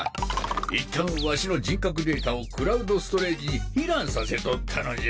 いったんワシの人格データをクラウドストレージに避難させとったのじゃ。